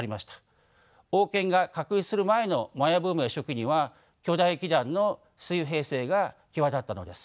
王権が確立する前のマヤ文明初期には巨大基壇の水平性が際立ったのです。